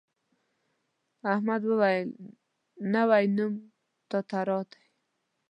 احمد وویل نوی نوم تتارا دی.